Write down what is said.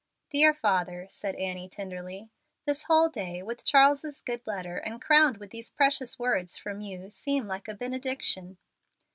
"Dear father," said Annie, tenderly, "this whole day, with Charles's good letter, and crowned with these precious words from you, seem like a benediction.